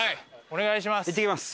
お願いします。